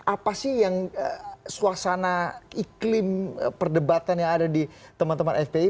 apa sih yang suasana iklim perdebatan yang ada di teman teman fpi